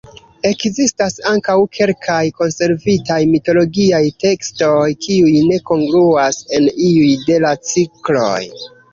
Ekzistas ankaŭ kelkaj konservitaj mitologiaj tekstoj kiuj ne kongruas en iuj de la cikloj.